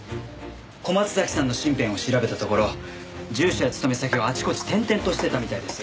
小松崎さんの身辺を調べたところ住所や勤め先をあちこち転々としてたみたいです。